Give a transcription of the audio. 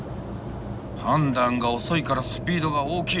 判断が遅いからスピードが大きい。